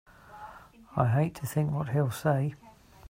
I hate to think what he'll say!